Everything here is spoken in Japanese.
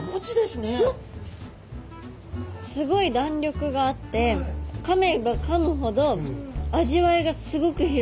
すごい弾力があってかめばかむほど味わいがすごく広がるんですよね。